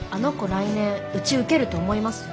来年うち受けると思います？